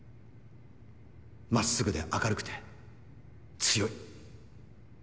真っすぐで明るくて強い。